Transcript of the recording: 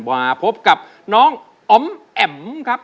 มาพบกับน้องอ๋อมแอ๋มครับ